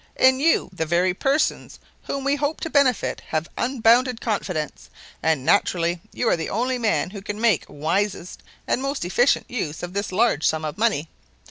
In you the very persons whom we hope to benefit have unbounded confidence, and naturally you are the only man who can make wisest and most efficient use of this large sum of money.